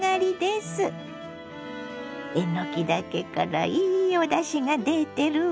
えのきだけからいいおだしが出てるわ。